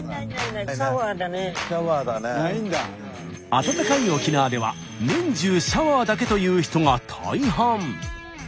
暖かい沖縄では年中シャワーだけという人が大半。